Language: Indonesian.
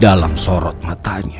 dalam sorot matanya